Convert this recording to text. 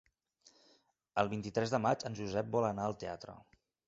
El vint-i-tres de maig en Josep vol anar al teatre.